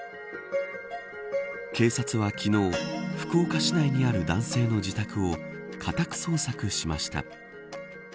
警察は昨日福岡市内にある男性の自宅を家宅捜索しました。